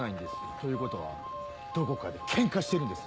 ということはどこかでケンカしてるんです。